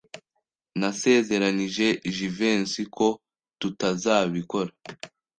Nasezeranije Jivency ko tutazabikora.